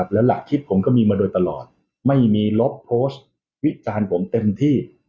แล้วหลักคิดผมก็มีมาโดยตลอดไม่มีลบโพสต์วิจารณ์ผมเต็มที่